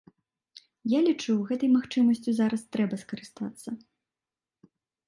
Я лічу, гэтай магчымасцю зараз трэба скарыстацца.